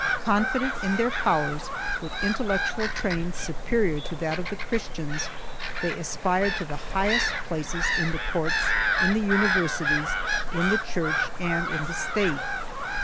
Confident in their powers, with intellectual training superior to that of the Chris tians, they aspired to the highest places in the courts, in the universities, in the Church and in the State.